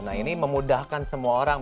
nah ini memudahkan semua orang